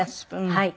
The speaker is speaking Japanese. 「はい。